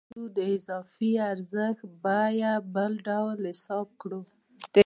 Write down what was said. موږ کولای شو د اضافي ارزښت بیه بله ډول حساب کړو